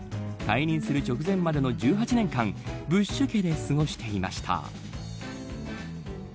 退任する直前までの１８年間ブッシュ家で過ごしていました。